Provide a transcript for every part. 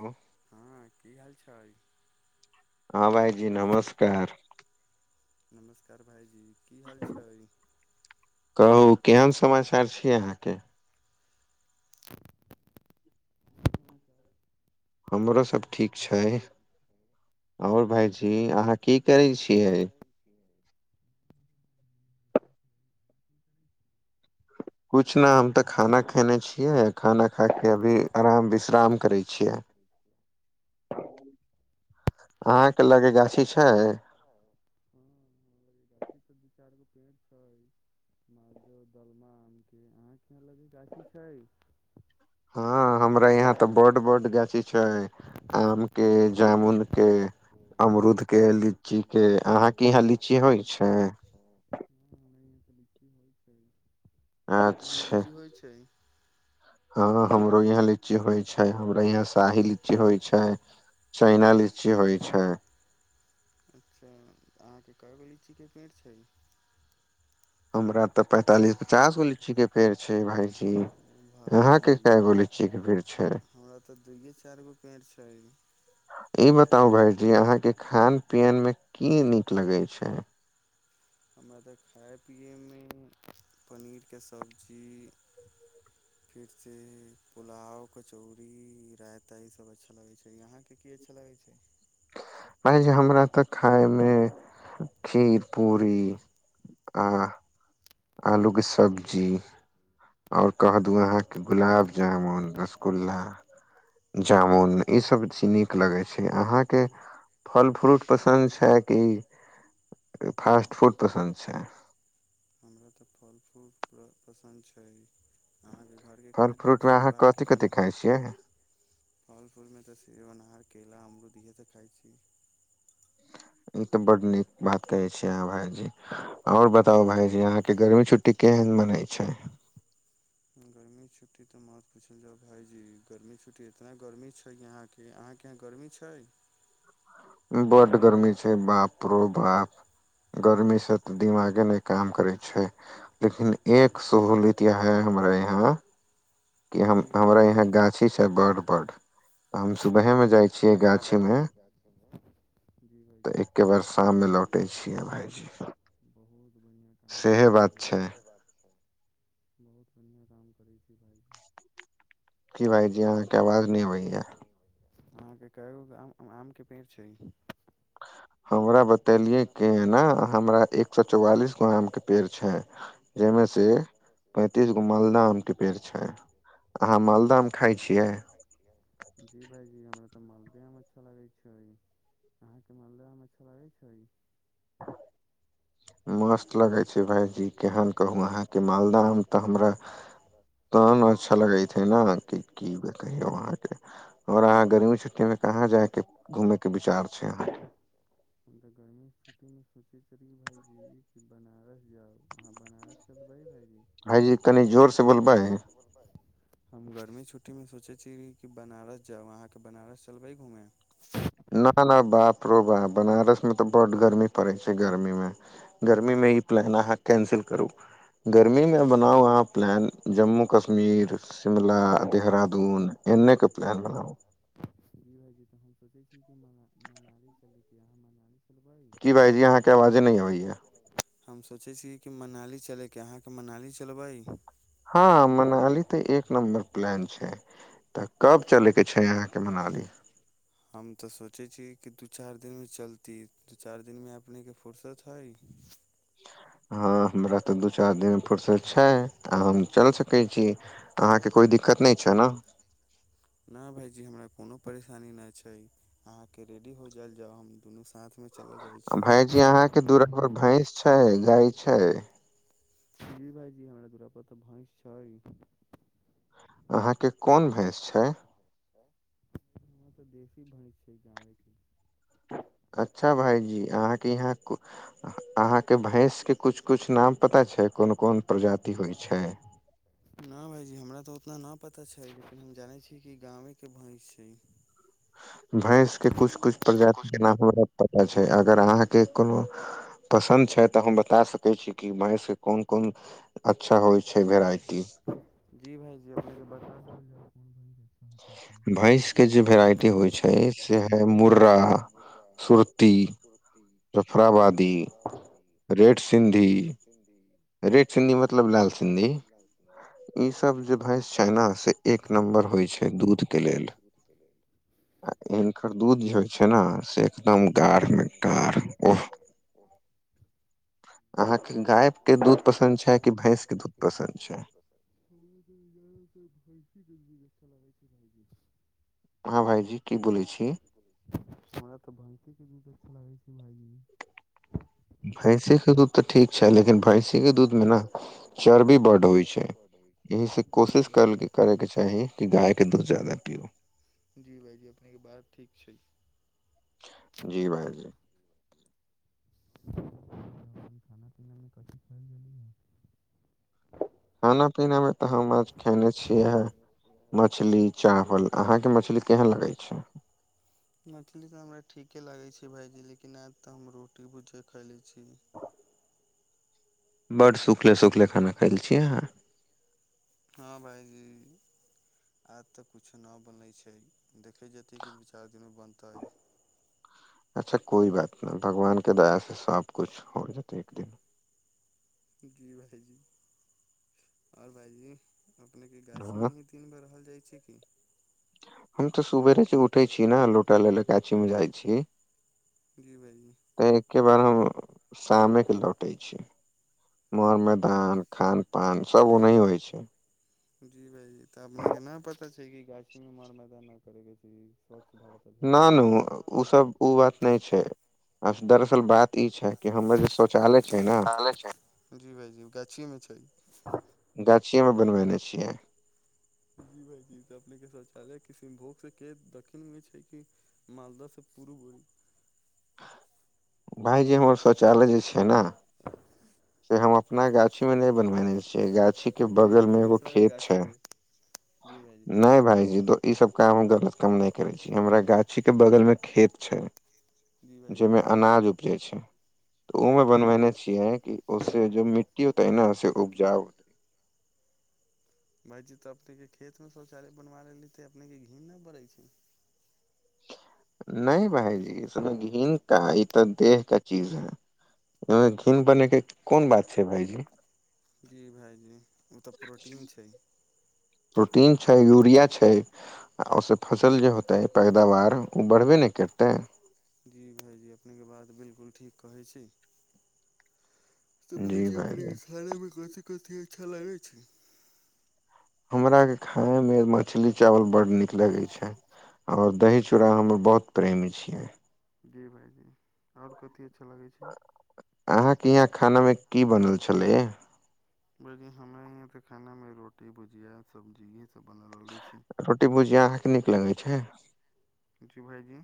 Hello हँ की हाल छै हँ भाइजी नमस्कार नमस्कार भायजी की हाल छै कहू केहन समाचार छियै अहाँके हमरो सब ठीक छै आओर भाईजी अहाँ की करै छियै किछ नहि हम तऽ खाना खेने छियै खाना खा के अभी आराम विश्राम करय छियै अहाँ के लगे गाछी छै गाछी पर दू चार गो छै मो दलमा आम के आख लगी कशी छैय हँ हमरा यहाँ तऽ बड्ड -बडु गाछी आम के जामुनक के अमरूद के लीची के अहाँके यहाँ लीची होइ छै बेसी होइ छै कि अच्छा लीची होइ छै हँ हमरो यहाँ लीची होइ छै हमरा यहाँ शाही लीची होइ छै चैना लीची होइ छै अच्छा अहाँके काय गो लीची के पेड़ छै हमरा तऽ पैंतालिस पचास गो लीची केे पेड़ भायजी ओ यहाँ भाइजी क कैय गो लीची के पेड़ छै हमरा तऽ दुइए चारि गो पेड़ छै ई बताउ भाई अहाँके खान पियनमे की नीक लगै छै हमरा तऽ खाय पिये मे पनीर के सब्जी खिचैर पुलाव कचौड़ी रायता ई सब अच्छा लगै छै अहां के की अच्छा लगे छै भ हमरा तऽ ख खीर पूरी आ आलूके सब्जी आओर कह दू अहाँके गुलाब जामुन रसगुल्ला जामुन इसभ चीज नीक लगै छै अहाँके फल फ्रूट पसन्द छै कि फास्ट फूड पसन्द छै हमरा तऽ फल फूल पसन्द छै अहाँके घरके फल खाना खाइ फ्रूटमे छी कि अहाँ बाहरके कथि खाना कथि खाइ छियै। फल फूल मे तऽ सेव अनार केला अमरूद इहे त खाइ छी। ई तऽ बड्ड नीक बात कहै छियै अहाँ भायजी आओर बताउ भायजी अहाँके गर्मी छुट्टी केहन मनै छै। गर्मी छुट्टी तऽ मत पूछल जाउ भायजी गर्मी छुट्टी इतना गर्मी छै जे अहाँके अहाँके यहाँ गर्मी छै। बड गर्मी छै बाप रो बाप गर्मी से तऽ दिमागे नहि काम करै छै लेकिन एक सहूलियत य है हमरा यहाँ कि हम जी हमरा यहाँ भाइजी गाछी छ बड्ड बडु हम सुबहे में जाइ छियै मे गाछी मे जाछी मे तऽ एके बार शाम मे ब लौटे शाम मे छियै लौ भायजी बढ़िआ काम सेहे करै छी बात छै इहे बात छै बहुत बढ़िआँ काम करै छी भायजी की भाइजी अहाँके आवाज नहि होयै अहाँ कै गो आ आम के पेड़ छै। हमरा ब एलिय केना हमरा एक सए चौवालिस गो आम के पेड़ छै जाहिमे से पैंतीस गो मालदह आम के पेड़ छै अहाँ मालदह आम खाय छियै। जी भाइजी हमरा तऽ मालदह मे अच्छा लगै छै अहाँके मालदह मे अच्छा लगै छै मस्त लगै छै भाईजी केहन कहू अहाँके मालदह आम तऽ हमरा तेहन अच्छा लगैत हे ने कि की कहियौ अहाँ के और अहाँ गर्मी छुट्टी मे कहाँ जायके घुमे के विचार छै अहाँ भाईजी है ज एक बनारस जाउ अहाँ बनारस च तऽ बहि भाई भइजी कनी जोर से बोलबै हम गर्मी छुट्टी मे सोचय छी कि बनारस जाउ अहाँके बनारस चलबै घूमे न न बाप रो बाप बनारस मे तऽ बड गर्मी पड़ै छै गर्मी मे गरमी मी मे ई प्लान अहाँ कैंसिल करू गर्मीमे ओनाहूँ अहाँ प्लान जम्मू कश्मीर शिमला देहरादुन एने के प्लान बनाबू जी भाइजी तऽ [inaudible] की भाइजी अहाँके आवाजे नै अबैया हम सोचै छी की मनाली चलैके अहाँके मनाली चलबै हँ मनाली तऽ एक नम्बर प्लान छै तऽ कब चलैयके छै अहाँके मनाली हम तऽ सोचै छियै की दू चारि दिनमे चलती दू चारि दिनमे अपनेके फुर्सत हइ हँ हमरा तऽ दू चारि दिन फुरसत छै आ हम चलि सकै छी अहाँकेँ कोइ दिक्कत नहि छै न ना भाईजी हमरा कोनो परेशानी नहि छै अहाँके रेडी हो जाएल जाउ हम दुनू साथ मे भाइजी अहाँके दूरा पर भैंस छै गाय छै जी भाइजी हमरा दुरापर तऽ भैंस छै अहाँके कोन भैंस छै हमरा तऽ देशी भैंस छै गाय अच्छा भाइजी अहाँके इहाँ भैंसके कछु कछु नाम पता छै कोन कोन प्रजाति होइ छै इतना न पता छै हम जानै छी कि गामे के भैंस छै भैंसके कुछ कुछ प्रजाति जेना हमरा पता छै अगर अहाँके कोनो पसन्द छै तऽ हम बता सकै छी कि भैंस कोन कोन अच्छा होइ छै वेराइटी जी भाइजी अपने बता [unintelligible] भैंस के जे भेराइटी होइ छै से है मुर्रा सुरती जफराबादी रेड सिन्धी रेड सिन्धी मतलब लाल सिन्धी ईसब जे होकै भैंस छै न से एक नम्बर होइ छै दूधके लेल आ हिनकर दूध जे होइ छै ने से एकदम गाढ़मे [inaudible] [unintelligible] [unintelligible] अहाँके गाय के दूध पसन्द छै कि भैंस के दूध पसन्द छै हँ भाईजी की बोलै छी हमरा तऽ भैंस के दूध अच्छा लागै हूँ भैंसी के तऽ दूध ठीक छै लेकिन भैंसी के दूध मे न चर्बी बड्ड होइ छै एहि से जी कोशिश करै भाईजी के चाही की गाय गाय के दूध जादा पीयू। जी भायजी अपने के बात ठीक छै। जी भाईजी अपन खाना पीना मे कथि खायल गेली ह खाना पीना मे ते हम आज खएने छियै मछली चावल, अहाँ के मछली केहेन लागै छै। मछली तऽ हमरा ठीके लागै छै भायजी, लेकिन आय ते हम रो टी भुजिया खाएलै छी। ह बड्ड सुखले-सुखले खाना खाएल छियै अहाँ। हाँ भायजी आय ते किछो ने बनै छै देखै जेतै कि दू-चार दिन मे बनतै। अच्छा कोई बात ने भगवान के दया से सब कुछ हो जेतै एक दिन। जी भायजी और भायजी अपने के गाछी में हँ ही दीन भर रहल जाय छै की। हम ते सुबेरे जे उठै छी ने लौटा ले ले गाछी मे जाय छी। जी भाइजी तैके बाद हम अ शामे के लौटे छी, मौर मैदान, खान पान सब उन्ही होय छै। जी भायजी त अपने के न पता छै कि गाछी मे मौर, मैदान न करे के चाही। ना नु उ सब उ बात नै छै। दरअसल बात इ छै कि हमर जे शौचालय छै ने जी भाइजी गाछीमे छै गाछी के मे बनबैने छियै। जी भायजी त अपने के शौचालय किसनभोग से के दखिण मे छै कि मालदा से पूर्व होई। भायजी हमर शौचालय जे छै ने से हम अपना गाछी में नै बनबेनै छीये, गाछी के जी बगल भाईजी मे एगो दोसरा के खेत गाछी छै, मे जी भाईजी नै भायजी दो ई सब कांहु गलत काम नै करै छी, हमरा गाछी के बगल मे खेत छै। जी जेमे भाईजी अनाज उपजै छै। तऽ उ जी मे बनबैने भाईजी छियैै की। से जो मिट्टीयो तहना से उपजाउ भायजी तबतै इहे खेतमे शौचालय बनवा लेली ते अपने के घिन्न नै बढ़े छै। नै भायजी इसमे घिन्न का ई ते देह के चीज हय, एमे घिन्न बनेके कुन बात छै भायजी। जी भायजी। ई ते प्रोटीन छै। प्रोटीन छै, यूरिया छै आ उ से फसल जे होतै पैदावार उ बढ़बे नै करतै। इ भायजी अपने के बात बिल्कुल ठीक कहै छी। तऽ जी भायजी अपने के भाईजी खाने मे कथि कथी अच्छा लागै छै। हमरा के खाय मे मछली, चावल बड्ड नीक लागै छै और दही, चूड़ा हमर बहुत प्रेमी छियै। जी भायजी और कु अ- अहाँ के इहाँ खाना मे की बनल छलै या अभी हमरा इयाँ तऽ खाना मे रोटी भुजिया सब्जी ईहए सब बनल रहले छी रोटी भूजिया अहाँके नीक लगै छै जी भायजी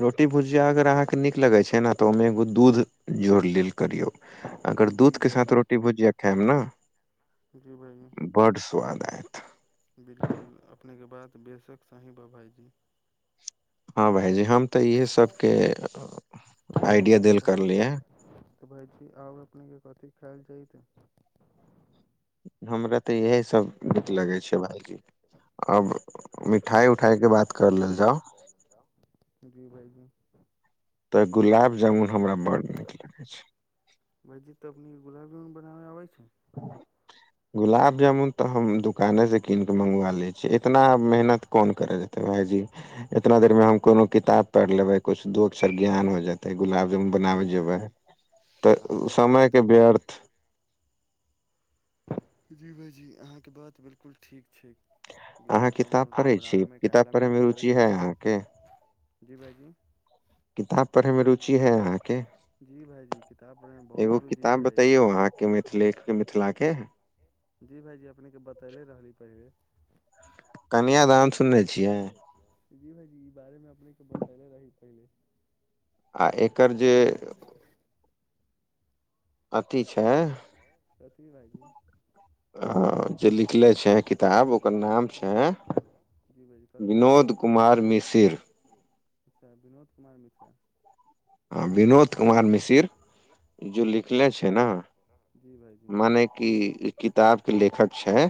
रोटी भुजिया अगर अहाँके नीक लगै छै ने तऽ ओहिमे एगो दूध जोड़ लेल करियौ अगर जी दूधके साथ भाइजी रोटी भुजिया खाएब ने जी भाइजी बड स्वाद ऐत बिल्कुल अपने के बात बेसक सही बा भाईजी। हां भायजी हम तऽ इहे सबके आइडिया तऽ देल भायजी करलियै तऽ भायजी आब अपने के कथी खायल जयते हमरा तऽ इहे सब नीक लगै छै भायजी अब मिठाइ उठाइके बात कर लेल जाउ जी भाइजी तऽ गुलाब जामुन हमरा बड़ नीक लगै छै भाइजी तऽ अपने के गुलाब जामुन बनाबे आबै छै गुलाब जामुन तऽ हम दुकाने से कीन के मंगवा लै छीयै इतना मेहनत कोन करय जेतै भायजी इतना देर मे हम कोनो किताब पैढ़ लेबै कुछ दु अक्षर ज्ञान होय जेत तऽ गुलाब जामुन जी बनाबे जेबै भाइजी तऽ उ अहाँके समय बात के व्यर्थ जी भाइजी अहाँके बात बिल्कुल ठीक अहाँ किताब पढ़ै छी किताब पढ़े मे रुचि है अहाँके [unintelligible] किताब पढ़े मे रुचि है अहाँ के जी भाइजी किताब पढ़ैमे बहुत एगो रुचि किताब छै बतैयौ अहाँके मिथिले मिथिला के जी भाइजी अपने के बतैले रहली पहिले कन्यादान सुनने छियै जी भायजी ई बारेमे अपने के बतैले रही पहिले आ एकर जे अथी छै कथी भायजी ह छै कथी नाम विनोद छै [unintelligible] कुमार मिसिर अच्छा विनोद कुमार मिश्रा हँ विनोद कुमार मिशिर जो लिखले छै ने जी भाइजी मने कि ई किताब के लेखक छै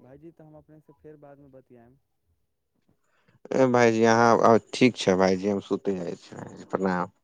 भाइजी तऽ हम अपने से फेर बाद मे बत [unintelligible] ए भाइजी अहाँ अ-ठीक छै भाइजी हम सुते जाइ छी भाइजी प्रणाम